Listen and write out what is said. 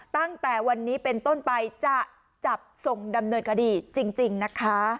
ตั้งแต่วันนี้เป็นต้นไปจะจับส่งดำเนินคดีจริงนะคะ